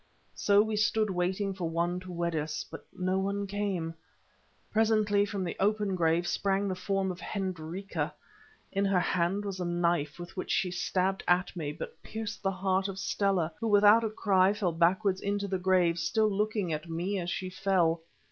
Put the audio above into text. So we stood waiting for one to wed us, but no one came. Presently from the open grave sprang the form of Hendrika. In her hand was a knife, with which she stabbed at me, but pierced the heart of Stella, who, without a cry, fell backwards into the grave, still looking at me as she fell.